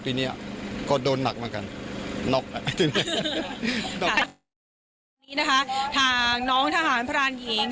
อันนี้เนี้ยก็โดนหนักเหมือนกันน็อกน่ะนี่นะคะทางน้องทหารพระราณหญิง